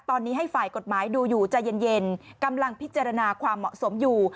ตอนนี้ให้ฝ่ายกฎหมายดูอยู่ใจเย็นกำลังพิจารณาความเหมาะสมอยู่